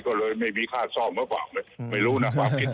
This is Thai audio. ก็เลยไม่มีค่าซ่อมหรือเปล่าไม่รู้นะความคิด